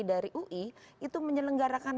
dari ui itu menyelenggarakan